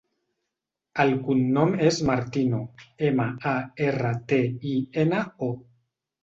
El cognom és Martino: ema, a, erra, te, i, ena, o.